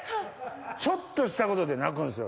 ちょっとしたことで泣くんですよ。